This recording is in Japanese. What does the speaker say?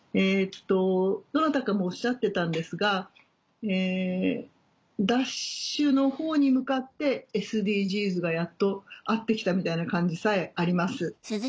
どなたかもおっしゃってたんですが『ＤＡＳＨ‼』のほうに向かってＳＤＧｓがやっと合って来たみたいな感じさえあります。